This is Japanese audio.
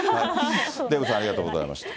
デーブさん、ありがとうございました。